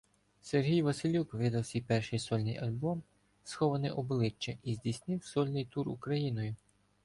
Сергій Василюк видав свій перший сольний альбом «Сховане обличчя» і здійснив сольний тур Україною.